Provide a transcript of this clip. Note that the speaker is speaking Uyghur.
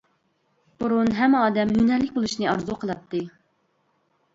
بۇرۇن ھەممە ئادەم ھۈنەرلىك بولۇشنى ئارزۇ قىلاتتى.